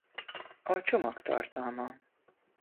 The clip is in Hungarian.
A csomag tartalma.